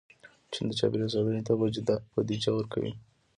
چین د چاپېریال ساتنې ته بودیجه ورکوي.